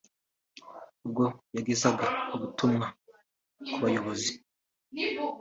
ubwo yagezaga ubutumwa ku bayobozi